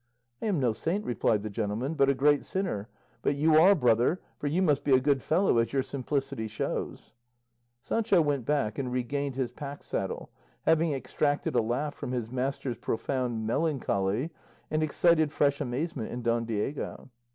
"I am no saint," replied the gentleman, "but a great sinner; but you are, brother, for you must be a good fellow, as your simplicity shows." Sancho went back and regained his pack saddle, having extracted a laugh from his master's profound melancholy, and excited fresh amazement in Don Diego.